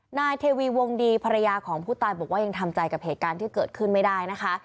นายเทวีวงดีภรรยาของผู้ตายบอกว่ายังทำใจกับเหตุการณ์ที่เกิดขึ้นไม่ได้นะคะ